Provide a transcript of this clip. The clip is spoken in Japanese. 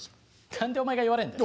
何でお前が言われんだよ。